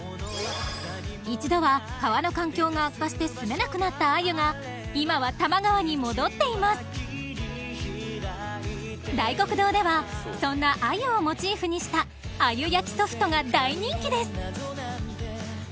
一度は川の環境が悪化してすめなくなった鮎が今は多摩川に戻っています大黒堂ではそんな鮎をモチーフにしたが大人気です